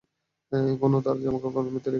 সে এখনো তার জামাকাপড় আলমারিতে রেখে দিয়েছে।